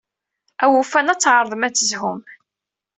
Awufan ad tɛeṛḍem ad tezhum.